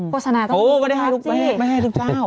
โฆษณาต้องรู้ครับสิ